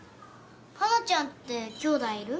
花ちゃんってきょうだいいる？